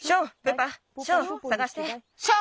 ショー！